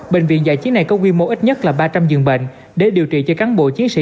bệnh viện giải chiến này có quy mô ít nhất là ba trăm linh giường bệnh để điều trị cho cán bộ chiến sĩ